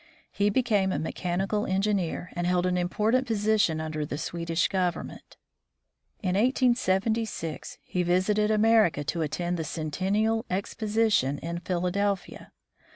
He became a mechanical engineer, and held an important position under the Swedish government. In 1876 he visited America to attend the Centennial Exposition in Philadelphia.